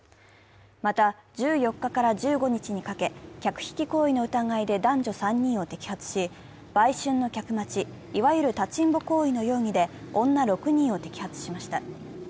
また、１４日から１５日にかけ客引き行為の疑いで男女３人を摘発し売春の客待ち、いわゆる立ちんぼ行為の容疑で女６人を摘発しました。